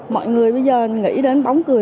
mọi người bây giờ nghĩ đến bóng cười